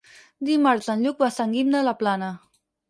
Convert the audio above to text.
Dimarts en Lluc va a Sant Guim de la Plana.